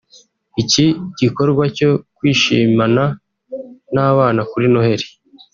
Iki gikorwa cyo kwishimana n’abana kuri Noheli